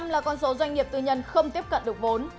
bảy mươi là con số doanh nghiệp tư nhân không tiếp cận được vốn